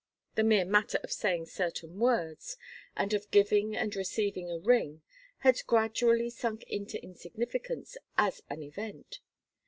The mere matter of saying certain words and of giving and receiving a ring had gradually sunk into insignificance as an event.